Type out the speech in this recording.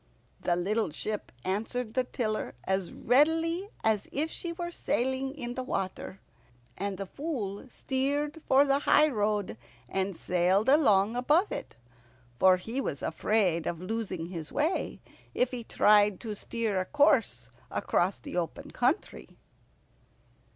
The little ship answered the tiller as readily as if she were sailing in water, and the Fool steered for the highroad, and sailed along above it, for he was afraid of losing his way if he tried to steer a course across the open country.